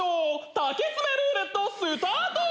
丈詰めルーレットスタート！